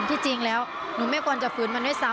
ที่จริงแล้วหนูไม่ควรจะฝืนมันด้วยซ้ำ